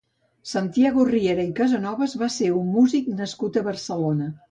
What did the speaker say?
Santiago Riera i Casanovas va ser un músic nascut a Barcelona.